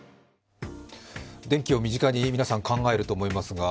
電気を身近に皆さん考えると思いますが